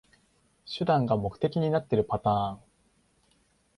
手段が目的になってるパターン